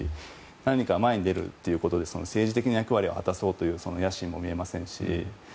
何か前に出るということで政治的な役割を果たそうという野心も見えませんし。